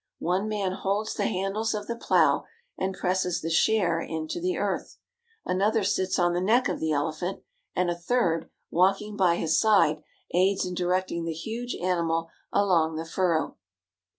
One man holds the handles of the plow and presses the share into the earth. Another sits on the neck of the elephant, and a third, walking by his side, aids in directing the huge animal along the furrow.